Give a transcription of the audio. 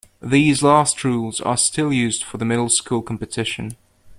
These last rules are still used for the Middle School competition.